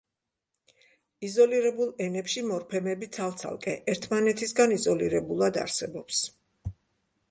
იზოლირებულ ენებში მორფემები ცალ-ცალკე, ერთმანეთისგან იზოლირებულად არსებობს.